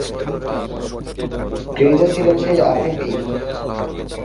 ক্রিজে ছিলেন সেই আফিফই।